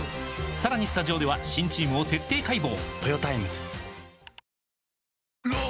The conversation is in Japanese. さらにスタジオでは新チームを徹底解剖！